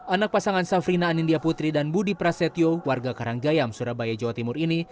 anak pasangan safrina anindya putri dan budi prasetyo warga karanggayam surabaya jawa timur ini